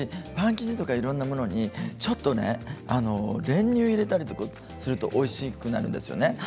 パン生地とかいろんなものにちょっと練乳を入れたりとかするとおいしくなるんですよね。